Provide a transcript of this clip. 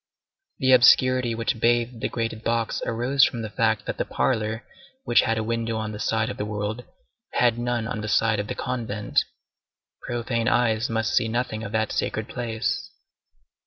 The obscurity which bathed the grated box arose from the fact that the parlor, which had a window on the side of the world, had none on the side of the convent. Profane eyes must see nothing of that sacred place.